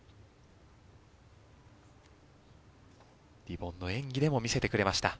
リボンの演技でも見せてくれました。